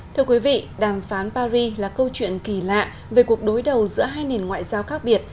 thưa quý vị đàm phán paris là câu chuyện kỳ lạ về cuộc đối đầu giữa hai nền ngoại giao khác biệt